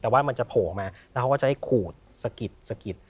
แต่ว่ามันจะโผล่ออกมาแล้วเขาก็จะให้ขูดสะกิดสะกิด